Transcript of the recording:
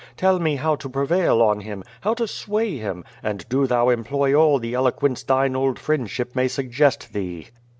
Tell me how to prevail on him, how to sway him, and do thou employ all the eloquence thine old friendship may suggest thee.'